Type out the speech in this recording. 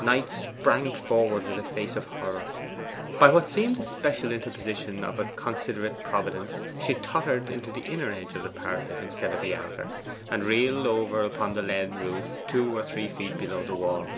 Knight sprang forward with a face of horror. By what seemed the special interposition of a considerate Providence she tottered to the inner edge of the parapet instead of to the outer, and reeled over upon the lead roof two or three feet below the wall.